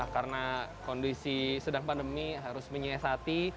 karena kondisi sedang pandemi harus menyiasati